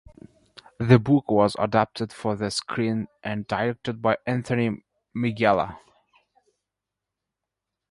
The book was adapted for the screen and directed by Anthony Minghella.